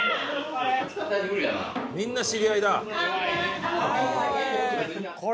みんな知り合いだ。